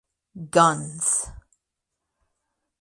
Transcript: Guns!